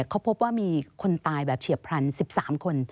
เขาพบว่ามีคนตายแบบเฉียบพลัน๑๓คน